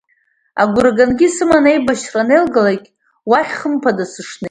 Агәра гангьы исыман аибашьра анеилгалак уахь хымԥада сышнеиуаз.